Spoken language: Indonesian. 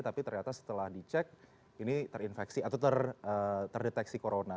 tapi ternyata setelah dicek ini terinfeksi atau terdeteksi corona